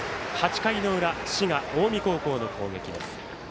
８回の裏、滋賀、近江高校の攻撃。